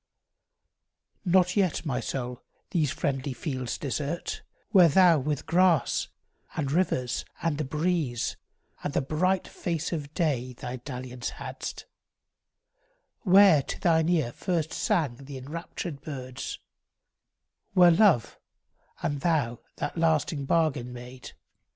XXIV NOT yet, my soul, these friendly fields desert, Where thou with grass, and rivers, and the breeze, And the bright face of day, thy dalliance hadst; Where to thine ear first sang the enraptured birds; Where love and thou that lasting bargain made.